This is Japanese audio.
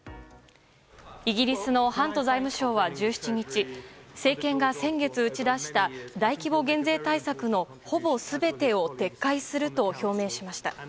イギリスのハント財務相は１７日政権が先月、打ち出した大規模減税対策のほぼ全てを撤回すると表明しました。